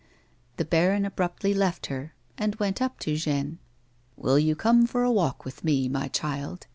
The baron abruptly left her, and went up to Jeanne ;" Will you come for a walk with me, my child